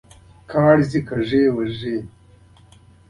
د نکرومه اقتصادي تګلاره ناکامه او بې ګټې ثابته شوه.